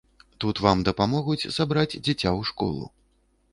Тут вам дапамогуць сабраць дзіця ў школу.